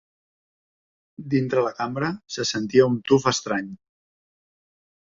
Dintre la cambra se sentia un tuf estrany.